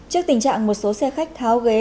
trước tình trạng một số xe khách tháo ghế